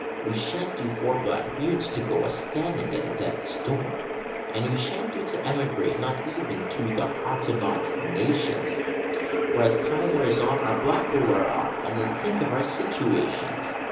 We shan't do for black mutes to go a standing at a death's door. And we shan't do to emigrate, no not even to the Hottentot nations, For as time wears on, our black will wear off, and then think of our situations!